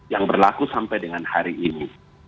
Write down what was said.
yang berlaku sampai dengan hari ini